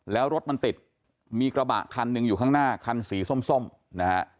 แล้วรถมันติดมีกระบะคันหนึ่งอยู่ข้างหน้าคันสีส้มนะฮะ